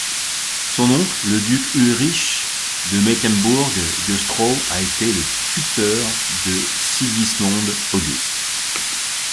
Son oncle, le duc Ulrich de Mecklembourg-Güstrow a été le tuteur de Sigismond Auguste.